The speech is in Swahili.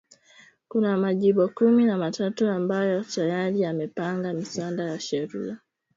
Kuna majimbo kumi na tatu ambayo tayari yamepanga miswada ya sheria